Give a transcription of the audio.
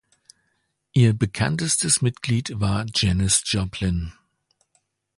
Ihr bekanntestes Mitglied war Janis Joplin.